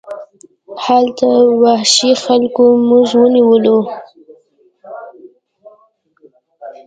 هلته وحشي خلکو موږ ونیولو.